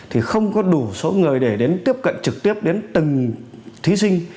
thì không có đủ số người để đến tiếp cận trực tiếp đến từng thí sinh